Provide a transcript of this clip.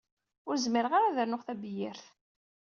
Ur zmireɣ ara ad rnuɣ tabyirt.